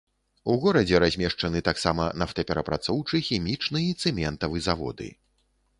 У горадзе размешчаны таксама нафтаперапрацоўчы, хімічны і цэментавы заводы.